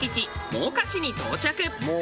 真岡市に到着。